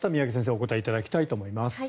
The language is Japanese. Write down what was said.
お答えいただきたいと思います。